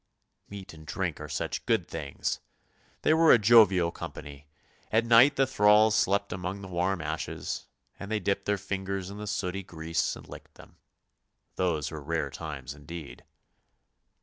Meat and drink are such good things! They were a jovial com pany! At night the thralls slept among the warm ashes, and they dipped their fingers in the sooty grease and licked them. Those were rare times indeed.